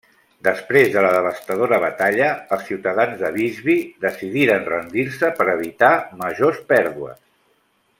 Després de la devastadora batalla, els ciutadans de Visby decidiren rendir-se per evitar majors pèrdues.